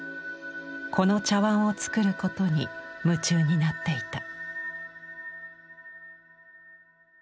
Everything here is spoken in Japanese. この茶碗を作ることに夢中になっていた。